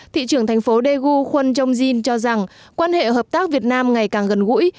thị trưởng thành phố daegu khuân chong jin cho rằng quan hệ hợp tác việt nam ngày càng gần gũi